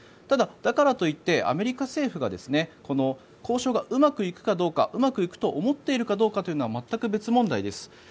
ただ、だからといってアメリカ政府がこの交渉がうまくいくかどうかうまくいくか思っているかどうかは全く別問題です。